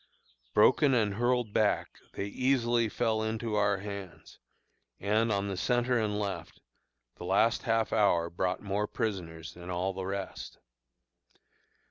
Broken and hurled back, they easily fell into our hands; and, on the centre and left, the last half hour brought more prisoners than all the rest.